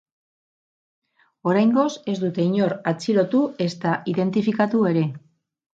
Oraingoz, ez dute inor atxilotu, ezta identifikatu ere.